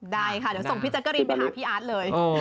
ได้ค่ะเดี๋ยวส่งพี่แจ๊กกะรีนไปหาพี่อาร์ตเลย